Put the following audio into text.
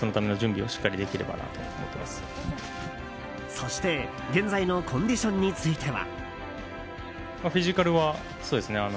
そして、現在のコンディションについては。